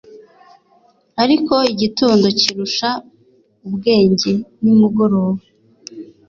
ariko igitondo kirusha ubwenge nimugoroba.